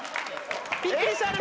びっくりした話。